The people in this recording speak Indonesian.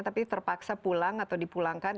tapi terpaksa pulang atau dipulangkan